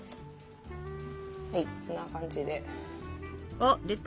はいこんな感じで。